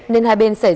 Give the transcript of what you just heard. nên hai bên sẽ đối xử